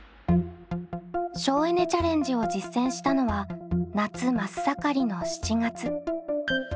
省エネ・チャレンジを実践したのは夏真っ盛りの７月。